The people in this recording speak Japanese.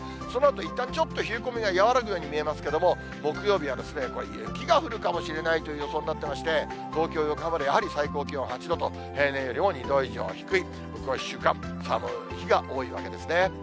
そのあといったん、ちょっと冷え込みが和らぐように見えますけれども、木曜日は雪が降るかもしれないという予想になってまして、東京、横浜でやはり最高気温８度と、平年よりも２度以上低い、向こう１週間、寒い日が多いわけですね。